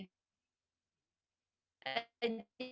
jadi mungkin kita tadi kita sudah mencoba